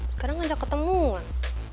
sekarang ngajak ketemuan